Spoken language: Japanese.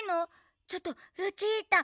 ちょっとルチータ！